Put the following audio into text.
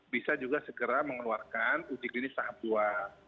bisa juga segera mengeluarkan utik klinis sahabat